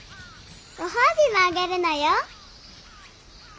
ご褒美もあげるのよ。